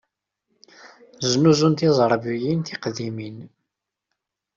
Znuzun tiẓerbiyin tiqdimin.